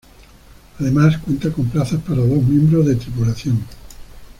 Además cuenta con plazas para dos miembros de tripulación.